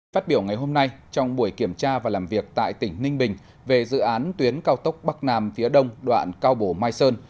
phát biểu ngày hôm nay trong buổi kiểm tra và làm việc tại tỉnh ninh bình về dự án tuyến cao tốc bắc nam phía đông đoạn cao bổ mai sơn